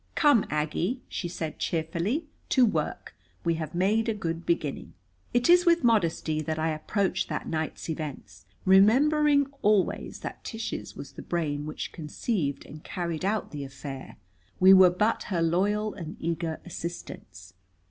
Come, Aggie," she said cheerfully "to work! We have made a good beginning." It is with modesty that I approach that night's events, remembering always that Tish's was the brain which conceived and carried out the affair. We were but her loyal and eager assistants.